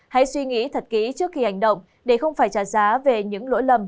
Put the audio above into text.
hãy suy nghĩ thật kỹ trước khi hành động để không phải trả giá về những lỗi lầm